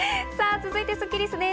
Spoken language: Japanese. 続いてスッキりすです。